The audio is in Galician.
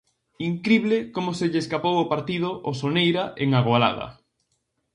Incrible como se lle escapou o partido ó Soneira en Agolada.